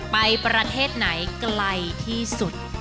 ไปประเทศไหนไกลที่สุด